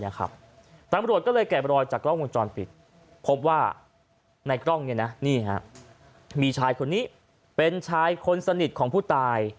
ตำรวจก็เลยแกะบรอยจากกล้องวงจรปิดพบว่าในกล้องมีชายคนนี้เป็นชายคนสนิทของผู้ตาย